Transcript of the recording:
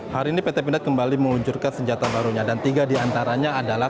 hari ini pt pindad kembali meluncurkan senjata barunya dan tiga diantaranya adalah